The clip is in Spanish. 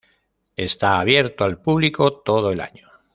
Está abierto al público todo el año.